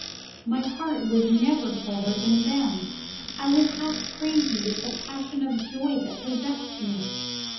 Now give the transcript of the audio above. My heart was never fuller than then. I was half crazy with the passion of joy that possessed me.